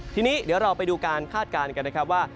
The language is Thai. ทีนี้เดี๋ยวเราไปดูการคาดการณ์กันนะครับว่า